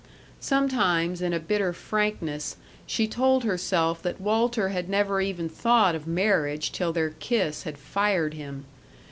Sometimes in a bitter frankness she told herself that Walter had never even thought of marriage till their kiss had fired him.